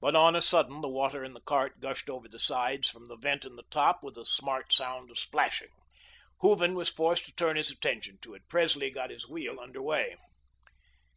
But on a sudden the water in the cart gushed over the sides from the vent in the top with a smart sound of splashing. Hooven was forced to turn his attention to it. Presley got his wheel under way.